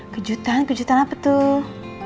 kejutan kejutan apa tuh